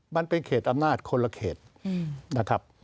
มันเป็นเขตอำนาจคนละเขตนะครับ